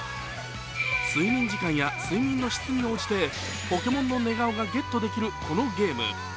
睡眠時間や睡眠の質に応じて、ポケモンの寝顔がゲットできるこのゲーム。